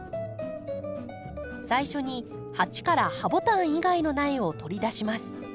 最初に鉢からハボタン以外の苗を取り出します。